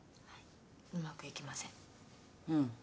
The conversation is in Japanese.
うまくいきません。